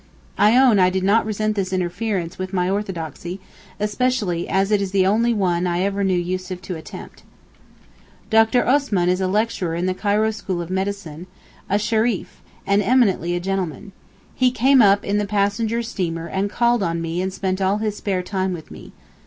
I own I did not resent this interference with my orthodoxy, especially as it is the only one I ever knew Yussuf attempt. Dr. Osman is a lecturer in the Cairo school of medicine, a Shereef, and eminently a gentleman. He came up in the passenger steamer and called on me and spent all his spare time with me.